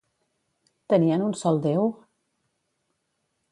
Tenien un sol déu?